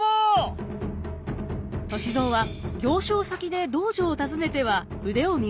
歳三は行商先で道場を訪ねては腕を磨いていたのです。